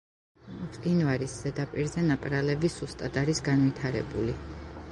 მყინვარის ზედაპირზე ნაპრალები სუსტად არის განვითარებული.